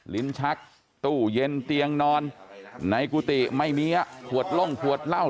ลิ้นชักตู้เย็นเตียงนอนในกุฏิไม่มีขวดล่มขวดเหล้า